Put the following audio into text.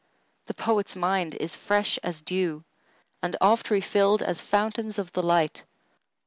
The poet's mind is fresh as dew, And oft refilled as fountains of the light.